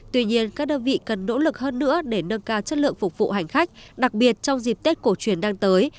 tuy nhiên các đơn vị cần nỗ lực hơn nữa để nâng cao chất lượng phục vụ hành khách đặc biệt trong dịp tết cổ truyền đang tới